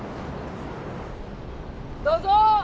どうぞ。